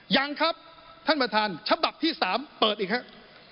ยังครับท่านประธานฉบับที่๓เปิดอีกครับ